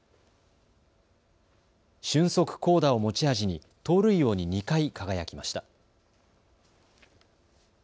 俊足巧打を持ち味に盗塁王に２回輝きました。